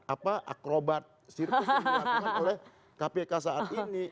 apa akrobat sirkus yang dilakukan oleh kpk saat ini